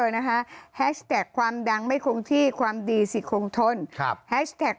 นะคะความดังไม่คงที่ความดีสิคงทนครับ